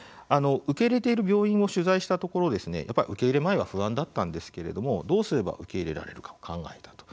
受け入れている病院を取材したところやっぱり受け入れ前は不安だったんですけれどもどうすれば受け入れられるかを考えたと。